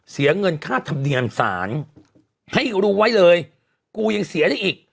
เสียเงินค่าธรรมเนียมสารให้รู้ไว้เลยกูยังเสียได้อีก